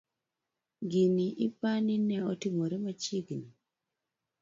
Gini ipani ne otimore machiegni?